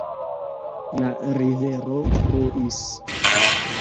La rivero bruis.